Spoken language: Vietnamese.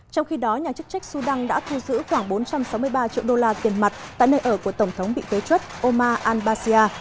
trong khi đó nhà chức trách sudan đã thu giữ khoảng bốn trăm sáu mươi ba triệu đô la tiền mặt tại nơi ở của tổng thống bị kế chất omar al basya